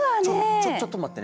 ちょちょっと待ってね！